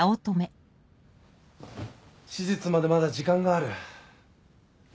手術までまだ時間がある。